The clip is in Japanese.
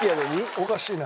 おかしいな。